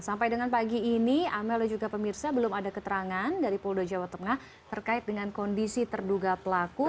sampai dengan pagi ini amel dan juga pemirsa belum ada keterangan dari polda jawa tengah terkait dengan kondisi terduga pelaku